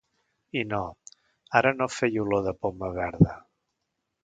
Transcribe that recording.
I no, ara no feia olor de poma verda...